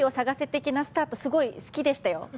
的なスタート、すごく好きでしたよ。